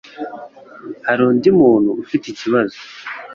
Hari undi muntu ufite ikibazo?